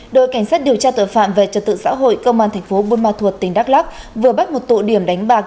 đội cảnh sát điều tra tội phạm về trật tự xã hội công an thành phố buôn ma thuột tỉnh đắk lắc vừa bắt một tụ điểm đánh bạc